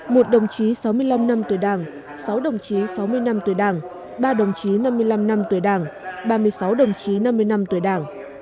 một đồng chí sáu mươi năm năm tuổi đảng sáu đồng chí sáu mươi năm tuổi đảng ba đồng chí năm mươi năm năm tuổi đảng ba mươi sáu đồng chí năm mươi năm tuổi đảng